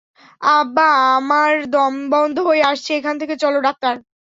আব্বা আমার দমবন্ধ হয়ে আসছে, এখান থেকে চলো - ডাক্তার?